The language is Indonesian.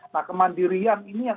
nah kemandirian ini yang